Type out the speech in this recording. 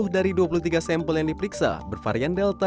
sepuluh dari dua puluh tiga sampel yang diperiksa bervarian delta